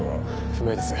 不明です。